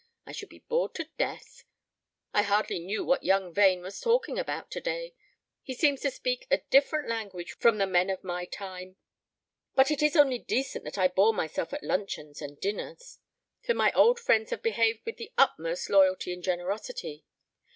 I should be bored to death. I hardly knew what young Vane was talking about today. He seems to speak a different language from the men of my time. But it is only decent that I bore myself at luncheons and dinners, for my old friends have behaved with the utmost loyalty and generosity.